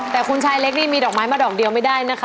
แต่คุณชายเล็กนี่มีดอกไม้มาดอกเดียวไม่ได้นะคะ